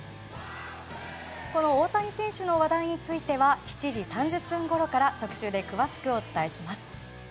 大谷選手の話題については７時３０分ごろから特集で詳しくお伝えします。